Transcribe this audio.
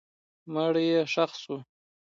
مړی یې ښخ سو.